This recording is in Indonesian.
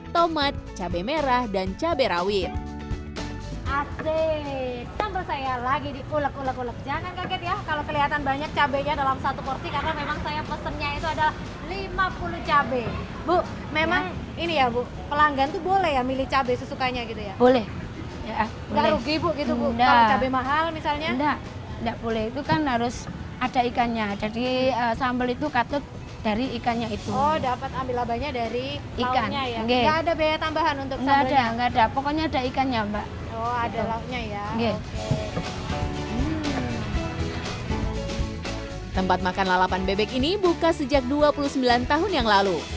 tempat makan lalapan bebek ini buka sejak dua puluh sembilan tahun yang lalu